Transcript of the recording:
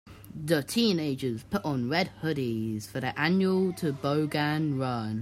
The teenagers put on red hoodies for their annual toboggan run.